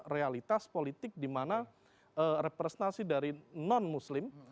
realitas politik dimana representasi dari non muslim